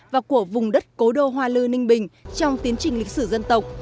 vùng đất cố đô hoa lư ninh bình trong tiến trình lịch sử dân tộc